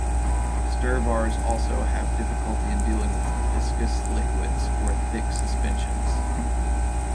Stir bars also have difficulty in dealing with viscous liquids or thick suspensions.